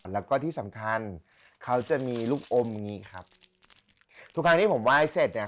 แล้วก็ที่สำคัญเขาจะมีลูกอมอย่างงี้ครับทุกครั้งที่ผมไหว้เสร็จเนี่ย